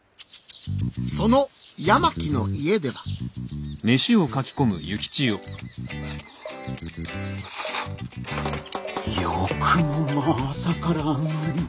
その八巻の家ではよくもまあ朝からあんなに。